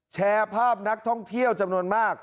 แชร์ภาพนักท่องเที่ยวจำนวนมาก